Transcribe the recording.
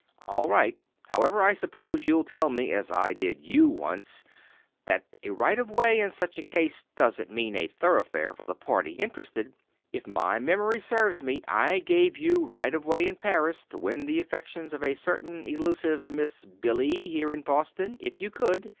"All right. However, I suppose you'll tell me, as I did you, once, that a right of way in such a case doesn't mean a thoroughfare for the party interested. If my memory serves me, I gave you right of way in Paris to win the affections of a certain elusive Miss Billy here in Boston, if you could.